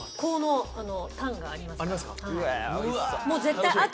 もう絶対。